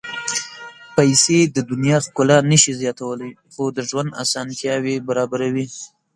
پېسې د دنیا ښکلا نه شي زیاتولی، خو د ژوند اسانتیاوې برابروي.